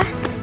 ah ada lagi